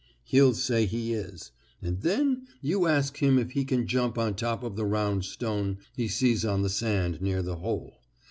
He'll say he is, and then you ask him if he can jump on top of the round stone he sees on the sand near the hole.